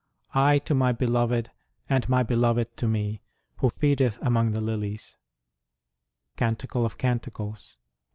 ... I to my beloved and my beloved to me, who feedeth among the lilies. Canticle of Canticles, iv.